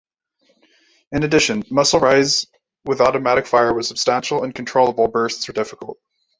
In addition, muzzle rise with automatic fire was substantial and controllable bursts were difficult.